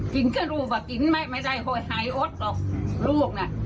กินก็รู้ป่ะกินไม่ได้หายอดหรอกลูกน่ะ